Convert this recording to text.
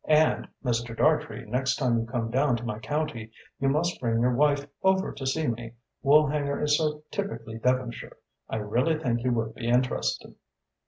And, Mr. Dartrey, next time you come down to my county you must bring your wife over to see me. Woolhanger is so typically Devonshire, I really think you would be interested."